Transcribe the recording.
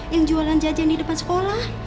yang jualan jajan di depan sekolah